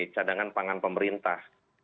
cadangan pangan pemerintah